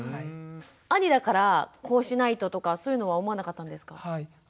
兄だからこうしないととかそういうのは思わなかったんですか？